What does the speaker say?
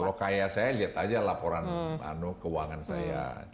kalau kaya saya lihat aja laporan keuangan saya